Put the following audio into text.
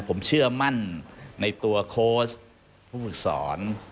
ผมเชื่อมั่นในตัวโค้ชผู้ฝึกสอน